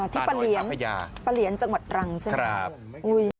ที่ปลาเหรียญจังหวัดรังใช่มั้ย